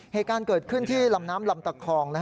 เหตุการณ์เกิดขึ้นที่ลำน้ำลำตะคอง